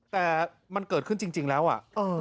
แต่มันเกิดขึ้นจริงแล้วอ่ะ